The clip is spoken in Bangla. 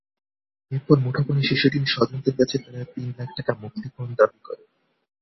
এরপর মুঠোফোনে শিশুটির স্বজনদের কাছে তারা তিন লাখ টাকা মুক্তিপণ দাবি করে।